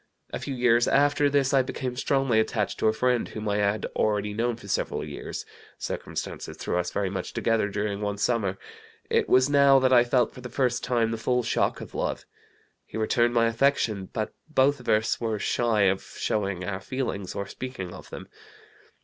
A few years after this I became strongly attached to a friend whom I had already known for several years. Circumstances threw us very much together during one summer. It was now that I felt for the first time the full shock of love. He returned my affection, but both of us were shy of showing our feelings or speaking of them.